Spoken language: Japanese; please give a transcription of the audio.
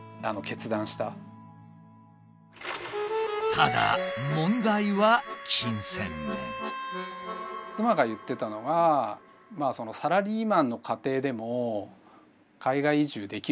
ただ妻が言ってたのがサラリーマンの家庭でも海外移住できるよと。